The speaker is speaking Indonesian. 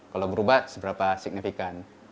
kalau berubah seberapa signifikan